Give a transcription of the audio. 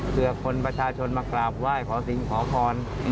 เพื่อคนประชาชนมากราบไหว้ขอสิ่งขอพร